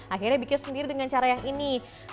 akhirnya bikin sendiri dengan cara yang ini